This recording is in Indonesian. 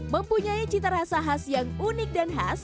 mempunyai cita rasa khas yang unik dan khas